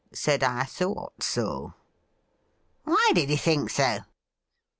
Said I thought so.' ' Why did you think so